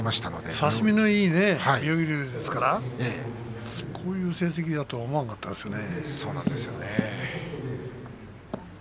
差し身のいい妙義龍ですからこういう成績だと思わなかったんですけどね。